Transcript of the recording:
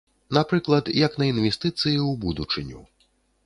Напрыклад, як на інвестыцыі ў будучыню.